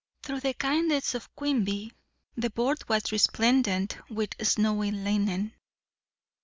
Through the kindness of Quimby, the board was resplendent with snowy linen.